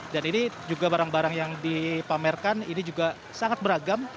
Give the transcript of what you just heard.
dan ini juga barang barang yang dipamerkan ini juga sangat beragam